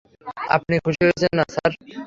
আপনি খুশি হয়েছেন না, স্যার?